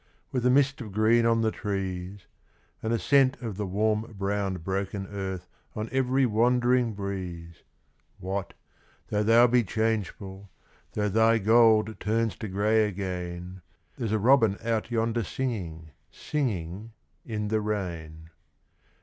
With a mist of green on the trees And a scent of the warm brown broken earth On every wandering breeze; What, though thou be changeful, Though thy gold turns to grey again, There's a robin out yonder singing, Singing in the rain.